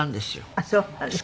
あっそうなんですか。